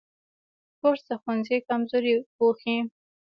کورس د ښوونځي کمزوري پوښي.